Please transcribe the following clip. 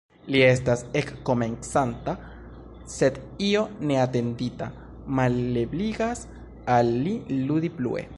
Li estas ekkomencanta, sed io neatendita malebligas al li ludi plue.